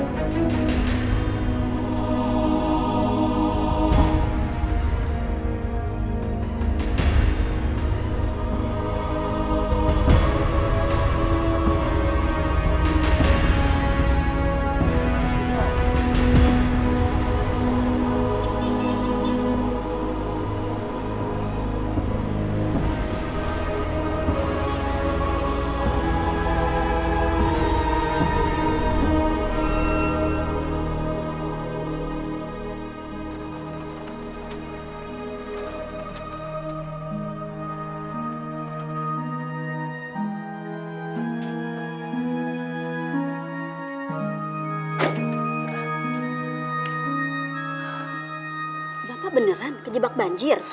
bapak beneran kejebak banjir